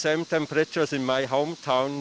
suhu yang sama seperti di kota saya